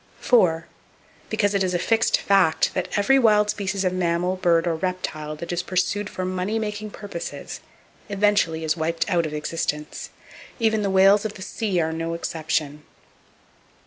—Because it is a fixed fact that every wild species of mammal, bird or reptile that is pursued for money making purposes eventually is wiped out of existence. Even the whales of the sea are no exception.